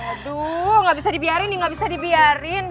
aduh gak bisa dibiarin nih nggak bisa dibiarin